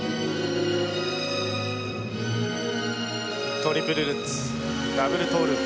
トリプルルッツダブルトーループ。